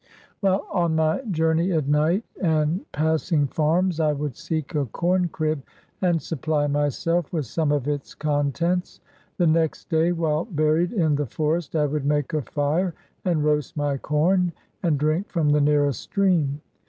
While on my journey at night, and passing farms. I would seek a corn crib, and supply myself with some of its contents. The next day, while buried in the forest, I would make a fire and roast my corn, and drink from the nearest stream.